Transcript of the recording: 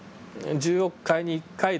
１０億回に１回！？